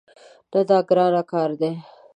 نه، دا ګران کار ده